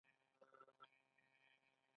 سکندر هم دلته سختې ورځې تیرې کړې